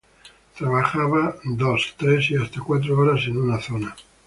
Trabajaba dos, tres y hasta cuatro horas en una zona.